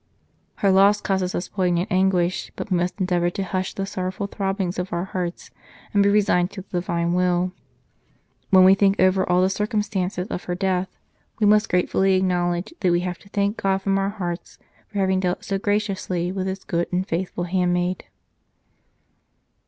Her loss causes us poignant anguish, but we must endeavour to hush the sorrowful throbbings of our hearts and be resigned to the Divine will. ... When we think over all the circumstances of her death, we must gratefully acknowledge that we have to thank God from our hearts for having dealt so graciously with His good and faithful handmaid."